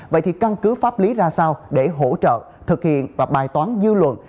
vậy thì căn cứ pháp lý ra sao để hỗ trợ thực hiện và bài toán dư luận